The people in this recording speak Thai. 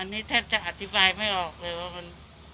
อันนี้แทบจะอธิบายไม่ออกเลยว่ามัน